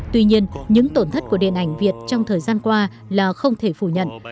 tuy nhiên những tổn thất của điện ảnh việt trong thời gian qua là không thể phủ nhận